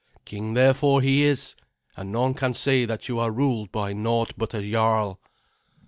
King therefore he is, and none can say that you are ruled by naught but a jarl."